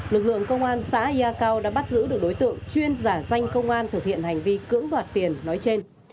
lực lượng công an xã ya cao đã bắt giữ được đối tượng chuyên giả danh công an thực hiện hành vi cưỡng đoạt tiền nói trên